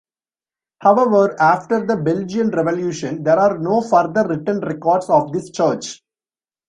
However after the Belgian revolution, there are no further written records of this church.